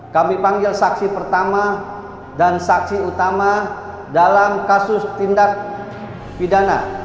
kami panggil saksi pertama dan saksi utama dalam kasus tindak pidana